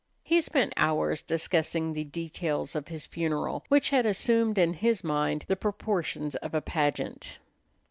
He spent hours discussing the details of his funeral, which had assumed in his mind the proportions of a pageant.